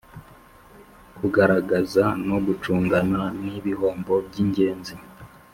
kugaragaza no gucungana n ibihombo by ingenzi